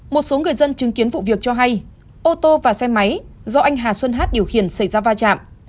một số người dân chứng kiến vụ việc cho hay ô tô và xe máy do anh hà xuân hát điều khiển xảy ra va chạm